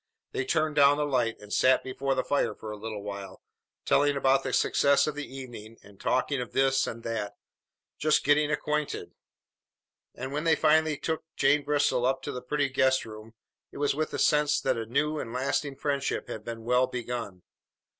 They turned down the light and sat before the fire for a little while, telling about the success of the evening and talking of this and that, just getting acquainted; and, when they finally took Jane Bristol up to the pretty guest room, it was with a sense that a new and lasting friendship had been well begun.